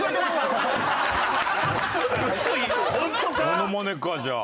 モノマネかじゃあ。